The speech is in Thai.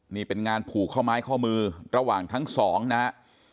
นี่เป็นงานผูกข้อไม้ข้อมือระหว่างทั้งสองนะฮะ